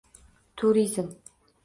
Turizm